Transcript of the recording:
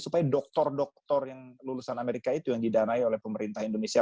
supaya doktor doktor yang lulusan amerika itu yang didanai oleh pemerintah indonesia